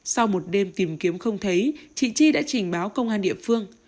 sau một đêm tìm kiếm không thấy chị chi đã trình báo công an địa phương